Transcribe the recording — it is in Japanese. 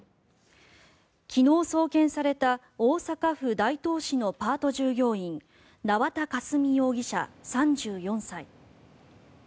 昨日、送検された大阪府大東市のパート従業員縄田佳純容疑者、３４歳。